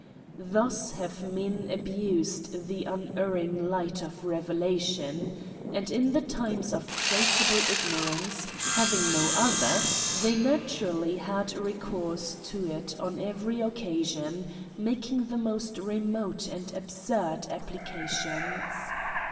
Thus have men abused the unerring light of revelation ; and, in the times of tractable ignorance, having no other, they na turally had recourse to it on every occasion, making the most remote and absurd applications.